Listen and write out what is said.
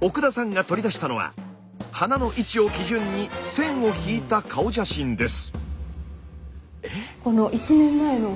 奥田さんが取り出したのは鼻の位置を基準に線を引いた顔写真です。